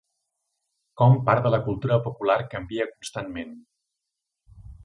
Com part de la cultura popular canvia constantment.